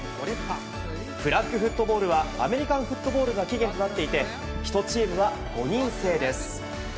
フラッグフットボールはアメリカンフットボールが起源となっていて１チームは５人制です。